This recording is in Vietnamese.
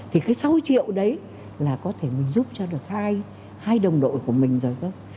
thì cái sáu triệu đấy là có thể mình giúp cho được hai đồng đội của mình rồi không